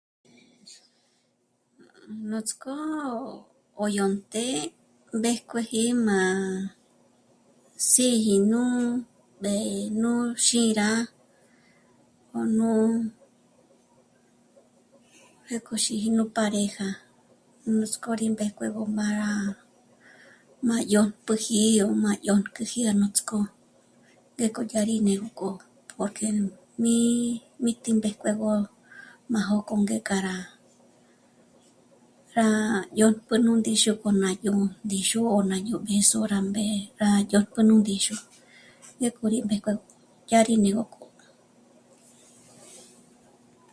Nuts'k'o 'ó yó ndé'e mbéjkueji m'a sîji nú mbé'e yó xî rá 'ö̀nu pjéko xîji nú páreja nuts'k'ó rí mbéjkue gó m'ârá m'á dyä̀tp'üji yó m'a dyónkü'pjüji rá nuts'k'ó ngéko dyà rí né'egö porque mí tímbéjkuegö májók'o ngék'a rá... rá dyó'pjü nú ndíxu k'o ná dyö̀'ö ndíxu o ná dyö̀'ö nú b'ë̌zo rá jmé'e dyä̀tk'ä nú ndíxu, dyájk'o rí mbéjkue dyá rí né'egö k'o